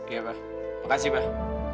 iya pak makasih pak